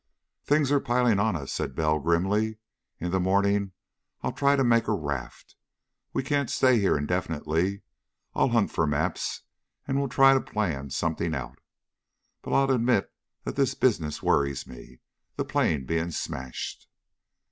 "Things are piling on us," said Bell grimly. "In the morning I'll try to make a raft. We can't stay here indefinitely. I'll hunt for maps and we'll try to plan something out. But I'll admit that this business worries me the plane being smashed."